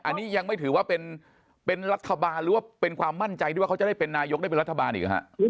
อันนี้ยังไม่ถือว่าเป็นรัฐบาลหรือว่าเป็นความมั่นใจที่ว่าเขาจะได้เป็นนายกได้เป็นรัฐบาลอีกหรือฮะ